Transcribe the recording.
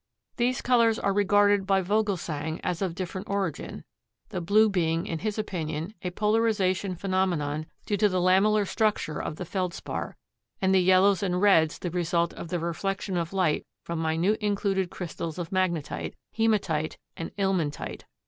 These colors are regarded by Vogelsang as of different origin, the blue being, in his opinion, a polarization phenomenon due to the lamellar structure of the Feldspar, and the yellows and reds the result of the reflection of light from minute included crystals of magnetite, hematite and ilmenite.